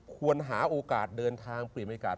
ควรหาโอกาสเดินทางเปลี่ยนบรรยากาศ